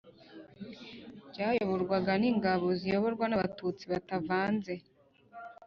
bwayoborwaga n'ingabo ziyoborwa n'abatutsi batavanze